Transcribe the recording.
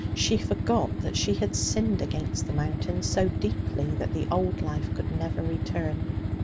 She forgot that she had sinned against the Mountain so deeply that the old life could never return.